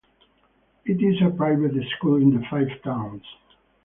It is a private school in the Five Towns.